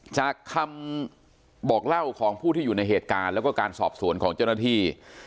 จากคำบอกเล่าของผู้ที่อยู่ในเหตุการณ์แล้วก็การสอบสวนของเจ้าหน้าที่